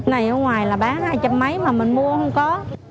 này ở ngoài là bán hai trăm linh mấy mà mình mua không có